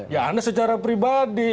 ya anda secara pribadi